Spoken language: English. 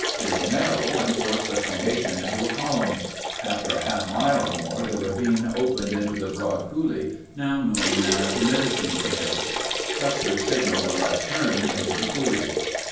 It was narrow and forced the formation into a column. After a half mile or more, the ravine opened into the broad coulee now known as Medicine Tail. Custer signaled a left turn into the coulee.